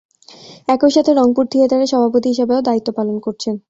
একই সাথে রংপুর থিয়েটারের সভাপতি হিসেবেও দায়িত্ব পালন করছেন।